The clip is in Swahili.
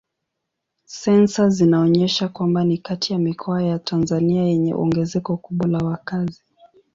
Sensa zinaonyesha kwamba ni kati ya mikoa ya Tanzania yenye ongezeko kubwa la wakazi.